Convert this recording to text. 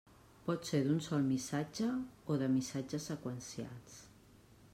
Pot ser d'un sol missatge o de missatges seqüencials.